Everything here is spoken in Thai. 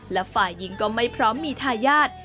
และฝ่ายหญิงก็ไม่พร้อมมีทายาท